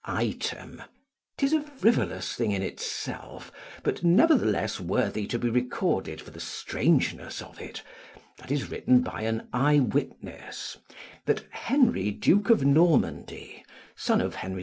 Item, 'tis a frivolous thing in itself, but nevertheless worthy to be recorded for the strangeness of it, that is written by an eyewitness, that Henry, Duke of Normandy, son of Henry II.